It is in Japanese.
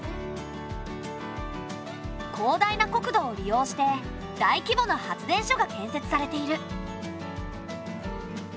広大な国土を利用して大規模な発電所が建設されている。